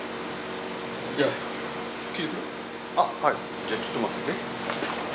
じゃあちょっと待ってて。